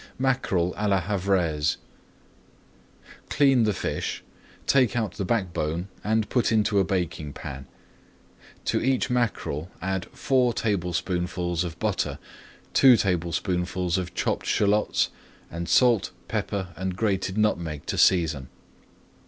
MACKEREL À LA HAVRAISE Clean the fish, take out the backbone and put into a baking pan. To each mackerel add four tablespoonfuls of butter, two tablespoonfuls of chopped shallots, and salt, pepper, and grated nutmeg to season.